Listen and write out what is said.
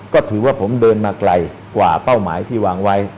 ก็ถือว่าผมเดินมาไกลกว่าเป้าหมายที่วางไว้